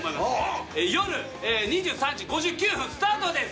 夜２３時５９分スタートです。